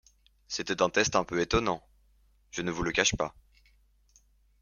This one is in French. C’était un test un peu étonnant, je ne vous le cache pas.